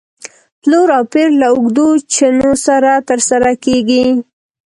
پلور او پېر له اوږدو چنو سره تر سره کېږي.